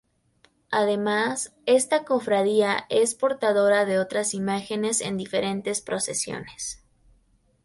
Además, esta cofradía es portadora de otras imágenes en diferentes procesiones.